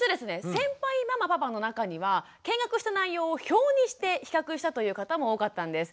先輩ママパパの中には見学した内容を表にして比較したという方も多かったんです。